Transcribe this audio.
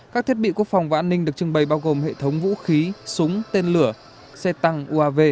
các thiết bị quốc phòng và an ninh được trưng bày bao gồm hệ thống vũ khí súng tên lửa xe tăng uav